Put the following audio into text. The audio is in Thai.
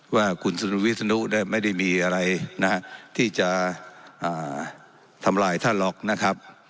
ว่าคุณวิศนุไม่ได้มีอะไรที่จะทำลายท่านหรอกนะครับ